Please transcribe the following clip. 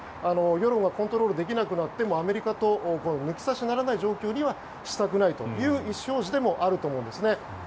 世論はコントロールできなくなってもアメリカと抜き差しならない状態にはしたくないという意思表示でもあると思います。